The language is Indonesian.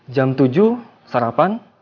jam tujuh sarapan